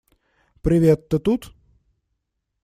Привет, ты тут?